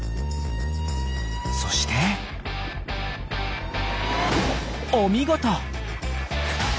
そしてお見事！